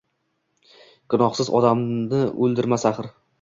Gunohsiz odamni o‘ldirmas axir.